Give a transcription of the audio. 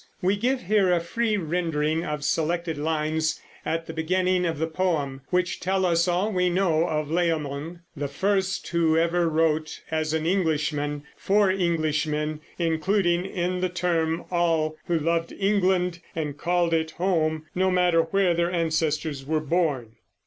We give here a free rendering of selected lines at the beginning of the poem, which tell us all we know of Layamon, the first who ever wrote as an Englishman for Englishmen, including in the term all who loved England and called it home, no matter where their ancestors were born.